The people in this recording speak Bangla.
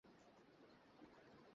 এটা জানো না তুমি?